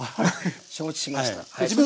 承知しました。